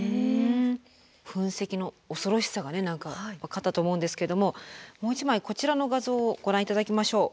噴石の恐ろしさが分かったと思うんですけどももう一枚こちらの画像をご覧頂きましょう。